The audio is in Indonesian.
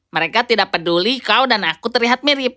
mereka tidak peduli kau dan aku terlihat mirip